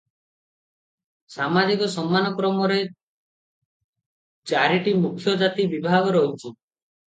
ସାମାଜିକ ସମ୍ମାନ କ୍ରମରେ ଚାରିଟି ମୁଖ୍ୟ ଜାତି ବିଭାଗ ରହିଛି ।